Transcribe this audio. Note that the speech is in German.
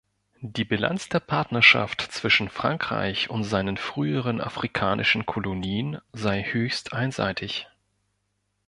Die Bilanz der Partnerschaft zwischen Frankreich und seinen früheren afrikanischen Kolonien sei höchst einseitig.